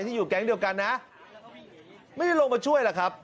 อยู่แก๊งเดียวกันนะไม่ได้ลงมาช่วยหรอกครับ